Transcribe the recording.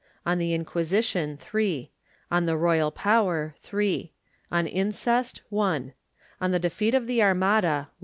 On the Inquisition On the Royal Power . On Incest .... On the Defeat of the Armada